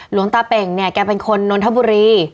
หลวงตาเป่งเนี่ยแกเป็นคนนนทบุรี